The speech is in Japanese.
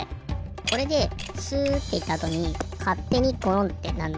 これでスッていったあとにかってにゴロンってなるの。